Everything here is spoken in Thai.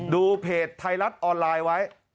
ดูเพจไทยรัฐออนไลน์ไว้